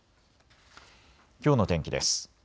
きょうの天気です。